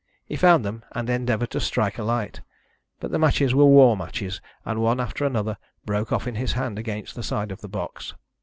He found them, and endeavoured to strike a light. But the matches were war matches, and one after another broke off in his hand against the side of the box.